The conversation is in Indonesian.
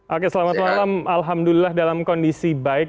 oke selamat malam alhamdulillah dalam kondisi baik